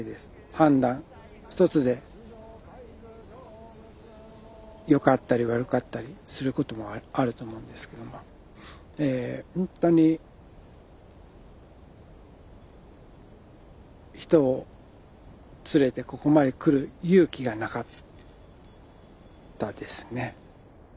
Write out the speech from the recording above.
判断一つでよかったり悪かったりすることもあると思うんですけどもほんとに人を連れてここまで来る勇気がなかったですね。